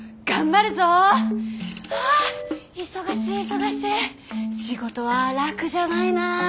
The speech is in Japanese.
あ忙しい忙しい仕事は楽じゃないな。